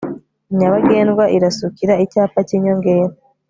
nyabagendwa irasukira icyapa cy inyongera